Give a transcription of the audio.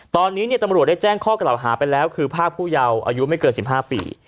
ตอนนี้ตำรวจได้แจ้งข้อกล่าวหาไปแล้วคือพรากผู้เยาว์อายุไม่เกิน๑๕ปี